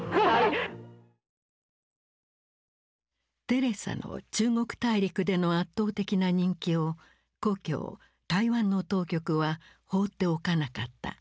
テレサの中国大陸での圧倒的な人気を故郷・台湾の当局は放っておかなかった。